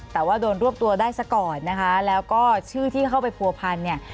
แต่ว่าโดนรวบตัวได้ซะก่อนนะคะแล้วก็ชื่อที่เข้าไปผัวพันเนี่ย